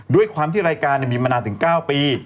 ด้วยความที่รายการมีมานานถึง๙ปี